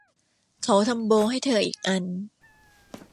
เขาทำโบว์ให้เธออีกอัน